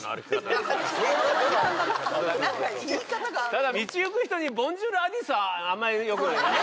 ただ道行く人に「ボンジュールアディダス」はあんまり良くないよね。